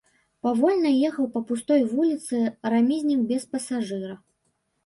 Павольна ехаў па пустой вуліцы рамізнік без пасажыра.